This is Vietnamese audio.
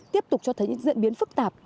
tiếp tục cho thấy những diễn biến phức tạp